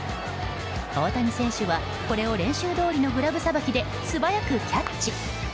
大谷選手はこれを練習どおりのグラブさばきで素早くキャッチ。